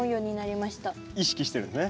意識してるね。